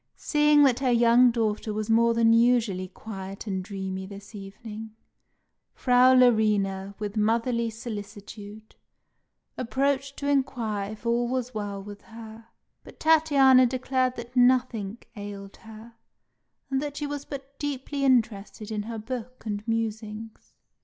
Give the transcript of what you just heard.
Seeing that her young daughter was more than usually quiet and dreamy this evening, Frau Larina, with motherly solicitude, approached to inquire if all was well with her; but Tatiana declared that nothing ailed her, and that she was but deeply interested in her book and musings.